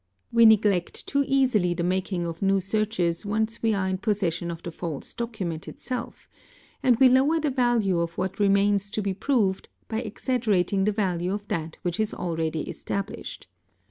We neglect too easily the making of new searches once we are in possession of the false document itself, and we lower the value of what remains to be proved by exaggera _ ting the value of that which is already established.